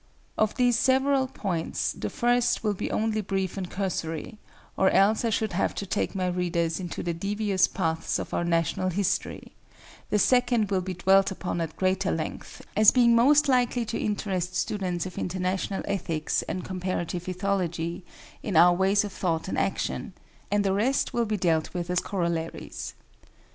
Of these several points, the first will be only brief and cursory, or else I should have to take my readers into the devious paths of our national history; the second will be dwelt upon at greater length, as being most likely to interest students of International Ethics and Comparative Ethology in our ways of thought and action; and the rest will be dealt with as corollaries.